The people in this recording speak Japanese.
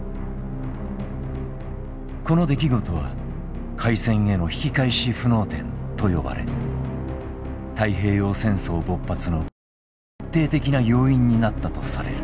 この出来事は開戦への引き返し不能点と呼ばれ太平洋戦争勃発の決定的な要因になったとされる。